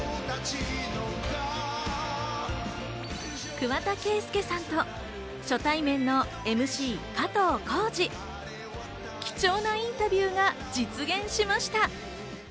桑田佳祐さんと、初対面のＭＣ・加藤浩次、貴重なインタビューが実現しました。